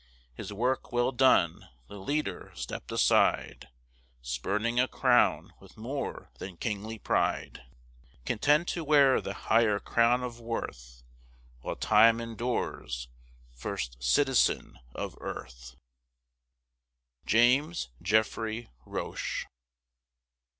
His work well done, the leader stepped aside, Spurning a crown with more than kingly pride, Content to wear the higher crown of worth, While time endures, First Citizen of earth. JAMES JEFFREY ROCHE.